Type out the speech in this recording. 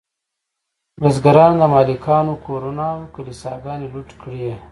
بزګرانو د مالکانو کورونه او کلیساګانې لوټ کړې.